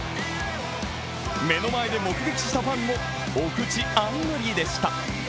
目の前で目撃したファンもお口あんぐりでした。